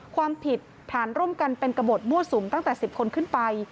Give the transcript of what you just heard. ความผิดฐานร่วมกันเป็นกระบดมั่วสุมตั้งแต่๑๐คนขึ้นไป